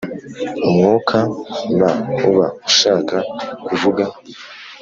umwukam uba ushaka kuvuga